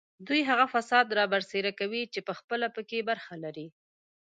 دوی هغه فساد رابرسېره کوي چې پخپله په کې برخه لري